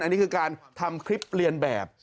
อันนี้คือการทำคลิปเรียนแบบ